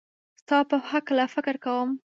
ستا په هکله فکر کوم